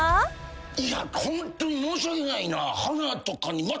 いやホントに申し訳ないな。